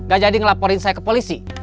gak jadi ngelaporin saya ke polisi